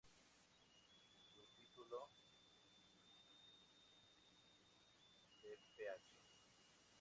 Su título de Ph.